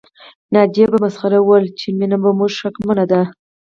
ناجيې په مسخره وويل چې مينه په موږ شکمنه ده